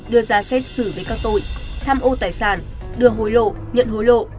đưa ra xét xử với các tội tham ô tài sản đưa hối lộ nhận hối lộ